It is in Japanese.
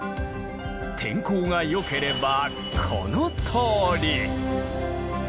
天候がよければこのとおり！